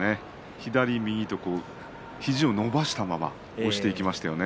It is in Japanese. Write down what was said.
左右と肘を伸ばしたまま押していきましたね。